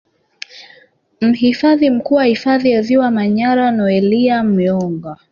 Mhifadhi Mkuu wa Hifadhi ya Ziwa Manyara Noelia Myonga